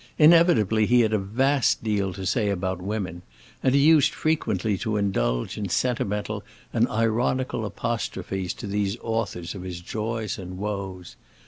Inevitably, he had a vast deal to say about women, and he used frequently to indulge in sentimental and ironical apostrophes to these authors of his joys and woes.